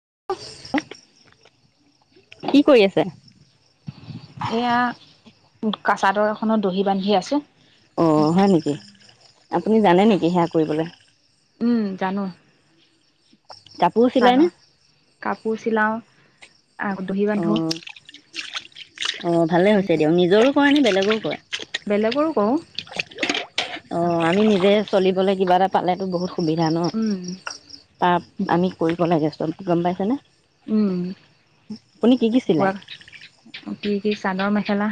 [unintelligible] কি কৰি আছে? কা-চাদৰ এখত দহি বান্ধি আছো। অ' হয় নেকি? আপুনি জানে নেকি সেয়া কৰিবলে? উম জানো চাদৰ। কাপোৰ চিলাও। আকৌ দহি বান্ধো। অ', অ' ভালে হৈছে দিয়ক নিজৰো কৰেনে বেলেগৰো কৰে? বেলেগৰো কৰো। অ' আমি নিজে চলিবলৈ কিবা এটা পালেতো বহুত সুবিধা ন উম [unintelligible] আমি কৰিব লাগে চব। গম পাইছানে? উম। কি চিলায়? [unintelligible] কি? কি চাদৰ-মেখেলা।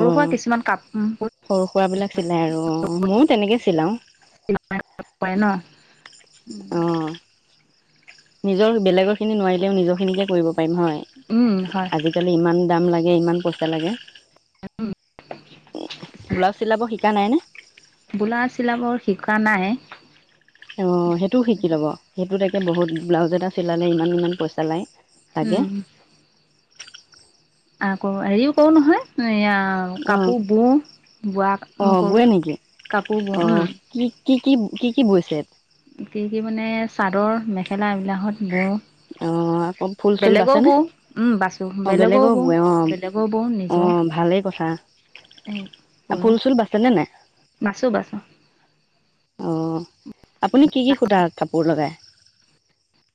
অ' সৰু-সুৰাবিলাক চিলাই আৰু অ'। ময়ো তেনেকে চিলাও। পৰে ন? উম। নিজৰ, বেলেগৰ খিনি নোৱাৰিলেও নিজৰ খিনিকে কৰিব পাৰ উম হয়, হয় আজি-কালি ইমান দাম লাগে ইমান পইচা লাগে ব্লাউজ চিলাব শিক [unintelligible] কানা হে অ' সেইটোও শিকি ল'ব সেইটো ত এ বহুত ব্লাউজ এটা চিলালে ইমান ইমান পইচা লায় উম আ কৰ হেৰিও কৰো নহয় এয়া অঁ কাপোৰ বওঁ বোৱা ম অঁ কৰো বোৱে নেকি কাপোৰ বওঁ অঁ কি কি কি কি কি বুইছে কি কি মানে চাদৰ মেখেলা এইবিলাকত বওঁ অঁ আকৌ ফুল চুল বেলেগও বাচেনে বওঁ উম বাচো অঁ বেলেগও বেলেগো বওঁ বোৱে অঁ বেলেগো বওঁ নিজৰ অঁ ভালেই কথা এই কৰো ফুল চুল বাচেনে নাই বাচো বাচো অ' আপুনি কি কি সূতা কাপোৰ লগায়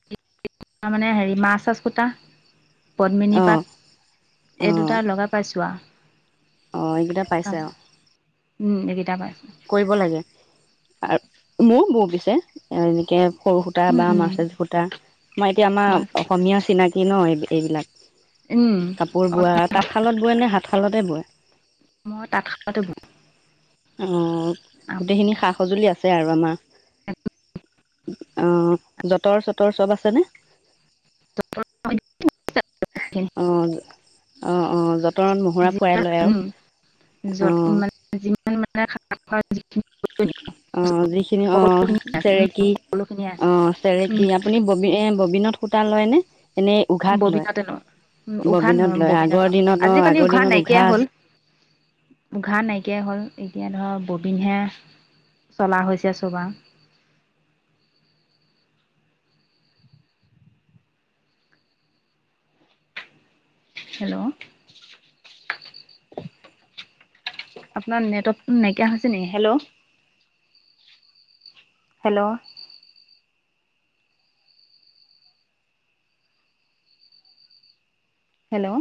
তাৰ মানে হেৰি মা চাছ কুটা পদ্মিনী অঁ পাট এই দুটা লগাই পাইছোঁ আৰু ' এইকোটা পাইছে আৰু এইকেইটা পায় কৰিব লাগে মোৰো বৌ পিছে এনেকে সৰু সূতা উম বা উম মাৰ্চজ সূতা আমাৰ এতিয়া আমাৰ বাচ অসমীয়া চিনাকি নহ উম এইবিলাক কাপোৰ বোৱা তাঁতশালত বয় নে হাতশালতে বয় মই তাঁত শালতে বওঁ অ' গোটেইখিনি সা সঁজুলি আছে আৰু আমাৰ অ' যতৰ চতৰ চব আছেনে? [unintelligible] অ' অ' অ' যতনত মহহুৰা ফৰাই লয় আৰু অ' হয় অ' যিখিনি অ' সকলোখিনিয়ে আছে উম চেৰেকি সকলোখিনিয়ে আছে অ' চেৰেকি উম আপুনি ব এ ববিনতু টা লয়নে এনেই উঘাত লয় ববিনতে ন উ উঘা ন ববিনত লয় ববিনত আগৰ লওঁ দিনত অঁ আজিকালি আগৰ উঘা দিনত নাইকিয়া হল উঘা নাইকিয়া হল এতিয়া ধৰক ববিনহে চলা হৈছে চুবা হেল্ল' আপোনাৰ নেটৱৰ্ক নাইকিয়া হৈছে নেকি হেল্ল' হেল্ল' হেল্ল'